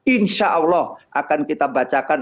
insya allah akan kita bacakan